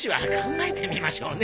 え？